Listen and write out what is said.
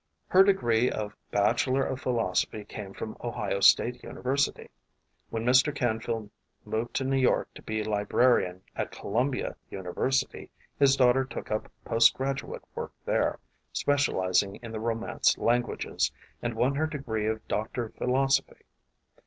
Her degree of bachelor of philosophy came from Ohio State University. When Mr. Canfield moved to New York to be librarian at Columbia University his daughter took up postgrad uate work there, specializing in the Romance lan guages, and won her degree of doctor of philosophy.